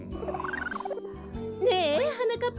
ねえはなかっぱ。